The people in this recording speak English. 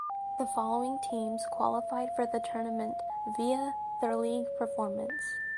The following teams qualified for the tournament via their league performance.